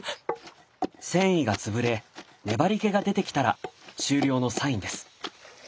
繊維が潰れ粘りけが出てきたら終了のサインです。